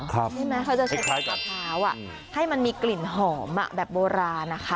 ใช่ไหมเขาจะใช้ขนมขาวให้มันมีกลิ่นหอมแบบโบราณ